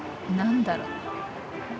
何だろう？